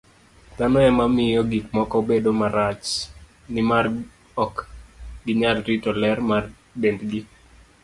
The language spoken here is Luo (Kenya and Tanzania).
Dhano ema miyo gik moko bedo marach, nimar ok ginyal rito ler mar dendgi.